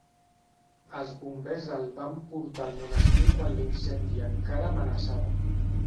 Els bombers el van portar al monestir quan l'incendi encara amenaçava.